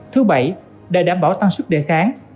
thứ bảy để đảm bảo tăng sức đề kháng